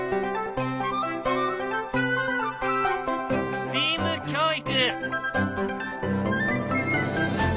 ＳＴＥＡＭ教育。